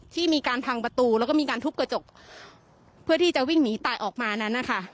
ที่มีการพังประตูแล้วก็มีการทุบกระจกเพื่อที่จะวิ่งหนีตายออกมานั้นนะคะ